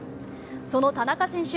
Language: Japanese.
その田中選手